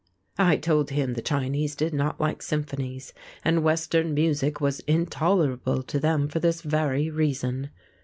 I told him the Chinese did not like symphonies, and Western music was intolerable to them for this very reason.